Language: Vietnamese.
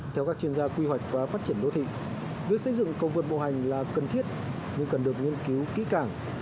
theo các chuyên gia quy hoạch và phát triển đô thị việc xây dựng cầu vượt bộ hành là cần thiết nhưng cần được nghiên cứu kỹ càng